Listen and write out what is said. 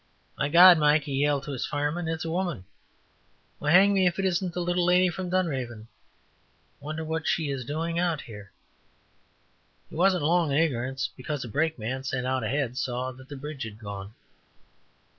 "My God! Mike," he yelled to his fireman, "it's a woman. Why, hang me, if it isn't the little lady from Dunraven. Wonder what she is doing out here." He wasn't long in ignorance, because a brakeman sent out ahead saw that the bridge had gone.